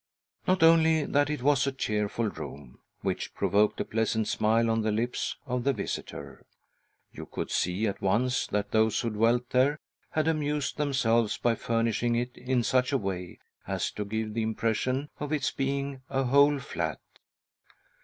Not only that, it was a cheerful/ room, which provoked a pleasant smile on the lips of the visitor. You could see at once that those who dwelt there had amused themselves by furnishing it in such a way as to give the impression of its being a whole flat.